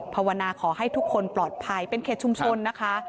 ภาวนาขอให้ทุกคนปลอดภัยเป็นเขตชุมชนนะคะ